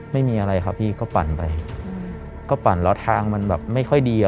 ไม่มีอะไรครับพี่ก็ปั่นไปก็ปั่นแล้วทางมันแบบไม่ค่อยดีอ่ะ